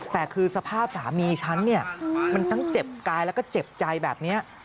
แต่คือสภาพสามีฉันเนี่ยมันทั้งเจ็บกายแล้วก็เจ็บใจแบบนี้